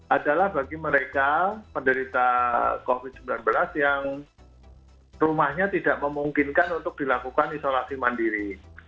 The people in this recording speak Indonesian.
adalah bagi mereka penderita covid sembilan belas yang rumahnya tidak memungkinkan untuk dilakukan isolasi mandiri